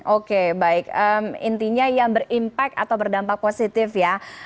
oke baik intinya yang berimpak atau berdampak positif ya